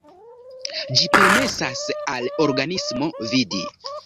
Ĝi permesas al organismo vidi.